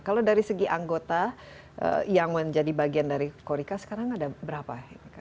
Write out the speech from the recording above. kalau dari segi anggota yang menjadi bagian dari korika sekarang ada berapa